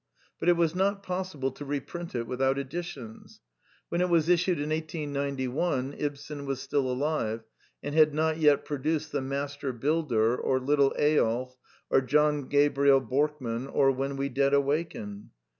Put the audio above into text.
But it was not possible to reprint it without additions. When it was issued in 1 89 1 Ibsen was still alive, and had not yet pro duced The Master Builder, or Little Eyolf, or John Gabriel Borkman, or When We Dead Awaken.